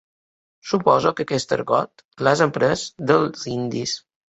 Suposo que aquest argot l'has après dels indis.